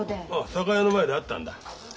酒屋の前で会ったんだ。